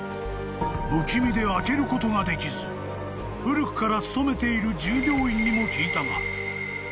［不気味で開けることができず古くから勤めている従業員にも聞いたが］